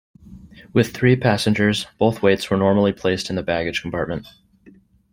With three passengers, both weights were normally placed in the baggage compartment.